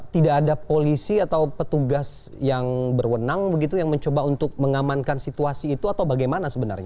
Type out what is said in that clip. tidak ada polisi atau petugas yang berwenang begitu yang mencoba untuk mengamankan situasi itu atau bagaimana sebenarnya